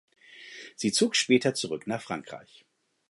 Sie zog später zurück nach Frankreich.